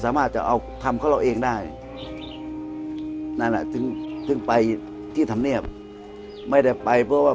สามารถจะเอาทำของเราเองได้นั่นแหละถึงถึงไปที่ธรรมเนียบไม่ได้ไปเพราะว่า